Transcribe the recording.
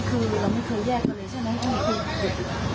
นี้คือเราไม่เคยแยกไปเลยใช่ไหม๒๒๒๒